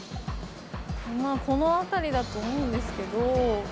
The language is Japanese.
この辺りだと思うんですけど。